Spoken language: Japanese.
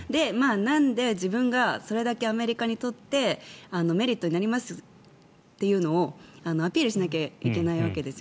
なんで自分がそれだけアメリカにとってメリットになりますっていうのをアピールしなきゃいけないわけです。